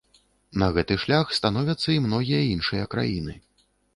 На гэты шлях становяцца і многія іншыя краіны.